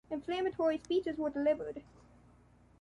Inflammatory speeches were delivered.